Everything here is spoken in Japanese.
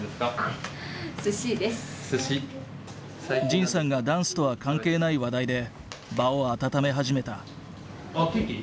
仁さんがダンスとは関係ない話題で場を温め始めた。